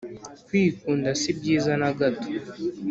kwikunda sibyiza nagato